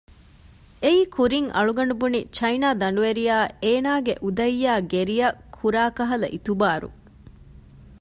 އެއީ ކުރިން އަޅުގަނޑު ބުނި ޗައިނާ ދަނޑުވެރިޔާ އޭނާގެ އުދައްޔާއި ގެރިއަށް ކުރާކަހަލަ އިތުބާރު